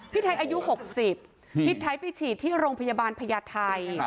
ไทยอายุ๖๐พี่ไทยไปฉีดที่โรงพยาบาลพญาไทย